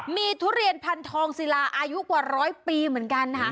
มีทุเรียนพันธองศิลาอายุกว่าร้อยปีเหมือนกันค่ะ